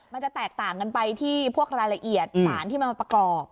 มันจะแตกต่างกันไปที่พวกรายละเอียดสารที่มันมาประกอบ